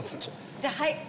じゃあはい！